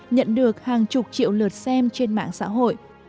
nhận được hàng chục triệu lượt xem trên mạng xã hội